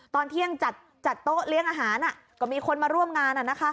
ตอนเที่ยงจัดโต๊ะเลี้ยงอาหารก็มีคนมาร่วมงาน